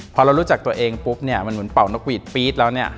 พอเรารู้จักตัวเองปุ๊บมันเหมือนเป่านกหวีดปี๊ดแล้ว